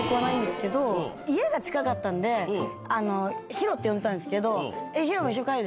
ヒロって呼んでたんですけど。